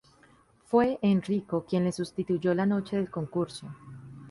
Fue Enrico quien le sustituyó la noche del concurso.